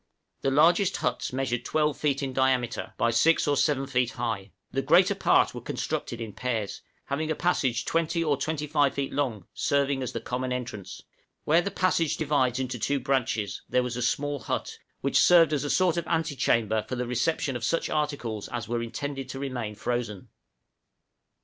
{NATIVE HUTS.} The largest huts measured 12 feet in diameter, by 6 or 7 feet high; the greater part were constructed in pairs, having a passage 20 or 25 feet long, serving as the common entrance; where the passage divides into two branches, there was a small hut, which served as a sort of ante chamber for the reception of such articles as were intended to remain frozen.